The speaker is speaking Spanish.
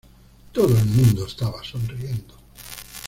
Todo el mundo estaba sonriendo.